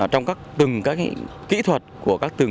trong các từng kỹ thuật của các từng